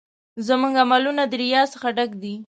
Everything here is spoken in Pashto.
زموږ عملونه د ریا څخه ډک دي.